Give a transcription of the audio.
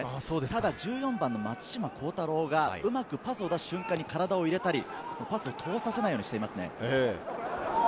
ただ、１４番の松島幸太朗がパスの瞬間に体を入れたり、パスを通させないようにしていますね。